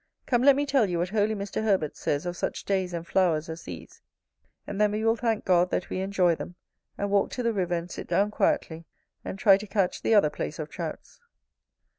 Come let me tell you what holy Mr. Herbert says of such days and flowers as these, and then we will thank God that we enjoy them, and walk to the river and sit down quietly, and try to catch the other place of Trouts.